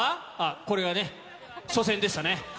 これがね、初戦でしたね。